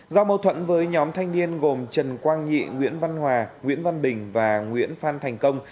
do mâu thuẫn với nhóm thanh niên gồm trần quang nhị nguyễn văn hòa nguyễn văn bình và nguyễn phan thành công